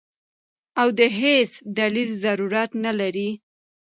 او د هېڅ دليل ضرورت نۀ لري -